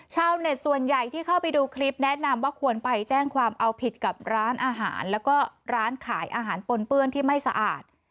ชาวเน็ตส่วนใหญ่ที่เข้าไปดูคลิปแนะนำว่าควรไปแจ้งความเอาผิดกับร้านอาหารแล้วก็ร้านขายอาหารปนเปื้อนที่ไม่สะอาด